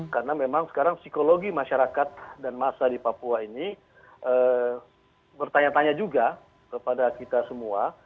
karena memang sekarang psikologi masyarakat dan massa di papua ini bertanya tanya juga kepada kita semua